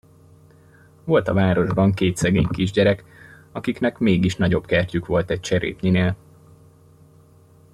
Volt a városban két szegény kisgyerek, akiknek mégis nagyobb kertjük volt egy cserépnyinél.